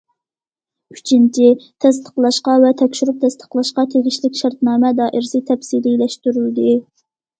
ئۈچىنچى، تەستىقلاشقا ۋە تەكشۈرۈپ تەستىقلاشقا تېگىشلىك شەرتنامە دائىرىسى تەپسىلىيلەشتۈرۈلدى.